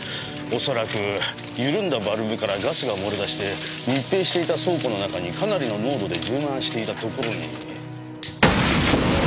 恐らく緩んだバルブからガスが漏れ出して密閉していた倉庫の中にかなりの濃度で充満していたところに。